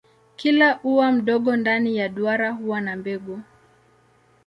Kila ua mdogo ndani ya duara huwa na mbegu.